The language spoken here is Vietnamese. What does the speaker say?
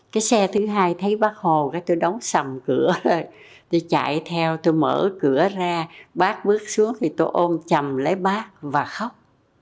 cái xe thứ hai thấy bác hồ tôi đóng sầm cửa tôi chạy theo tôi mở cửa ra bác bước xuống thì tôi ôm chầm lấy bác và khóc